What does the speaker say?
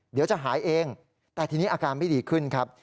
เดี๋ยวจะหายเองแต่ทีนี้อาการไม่ดีขึ้นครับ